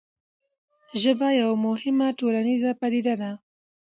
ژبه یوه مهمه ټولنیزه پدیده ده.